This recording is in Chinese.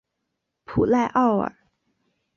普赖奥尔。